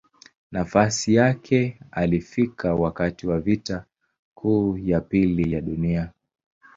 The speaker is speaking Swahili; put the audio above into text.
Nafasi yake alifika wakati wa Vita Kuu ya Pili ya Dunia.